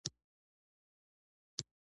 ماشومانو به په خټو کې لوبې کولې.